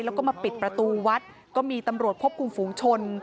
แล้วก็มาปิดประตูวัดก็มีตำรวจควบคุมฝูงชน